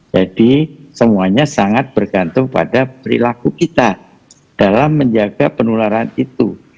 jadi semuanya sangat bergantung pada perilaku kita dalam menjaga penularan itu